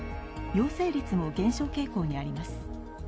陽性率も減少傾向にあります。